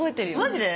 マジで？